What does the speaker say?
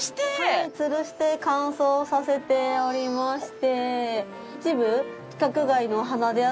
はい吊して乾燥させておりまして。